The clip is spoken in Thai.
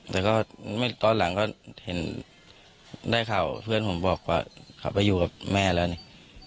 แต่ก็ตอนหลังก็เห็นได้ข่าวเพื่อนผมบอกว่าเขาไปอยู่กับแม่แล้วนี่